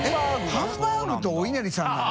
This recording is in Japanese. ハンバーグとおいなりさんなの？